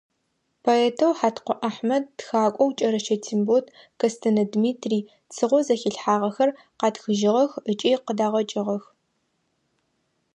Поэтэу Хьаткъо Ахьмэд, тхакӀохэу КӀэрэщэ Тембот, Кэстэнэ Дмитрий Цыгъо зэхилъхьагъэхэр къатхыжьыгъэх ыкӀи къыдагъэкӀыгъэх.